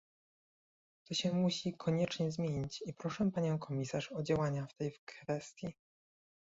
To się musi koniecznie zmienić i proszę panią komisarz o działania w tej kwestii